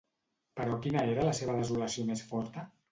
Però quina era la seva desolació més forta?